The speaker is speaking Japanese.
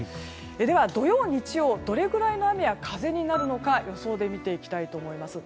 では土曜、日曜どれぐらいの雨や風になるか予想で見ていきます。